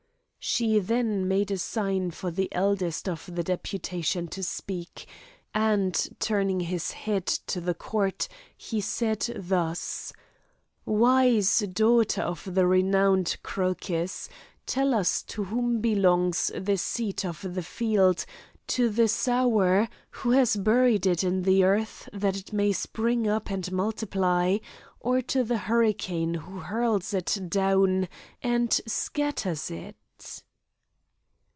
She then made a sign for the eldest of the deputation to speak; and, turning his head to the court, he said thus: "Wise daughter of the renowned Crocus, tell us to whom belongs the seed of the field to the sower, who has buried it in the earth, that it may spring up and multiply, or to the hurricane who hurls it down, and scatters it?"